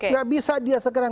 gak bisa dia sekarang